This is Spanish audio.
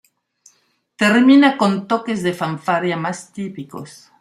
Termina con toques de fanfarria más típicos.